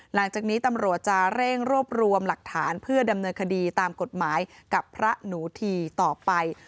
หลังจากนี้ตำรวจจะเร่งรวบรวมหลักฐานเพื่อดำเนินคดีตามกฎหมายกับพระหนูทีต่อไป